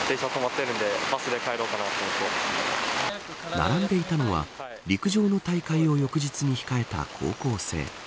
並んでいたのは陸上の大会を翌日に控えた高校生。